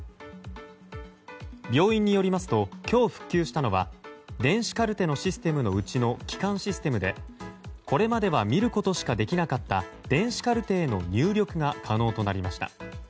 病院によりますと今日復旧したのは電子カルテのシステムのうちの基幹システムでこれまでは見ることしかできなかった電子カルテへの入力が可能となりました。